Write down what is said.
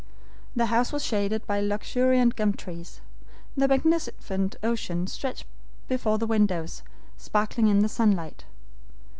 The house was shaded by luxuriant gum trees. The magnificent ocean stretched before the windows, sparkling in the sunlight.